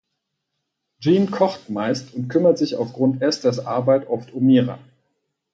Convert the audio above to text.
Jean kocht meist und kümmert sich aufgrund Esthers Arbeit oft um Mira.